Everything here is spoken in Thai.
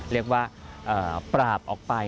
เรียกว่าปราบออกไป